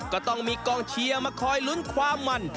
ก็ต้องมีกองเชียร์มาคอยลุ้นความมัน